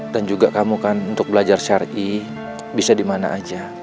dan juga kamu kan untuk belajar syarih bisa dimana aja